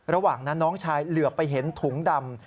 ระหว่างนั้นน้องชายเหลือไปเห็นถุงดำ